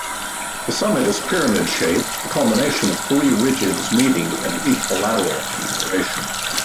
The summit is pyramid-shaped, the culmination of three ridges meeting in an equilateral configuration.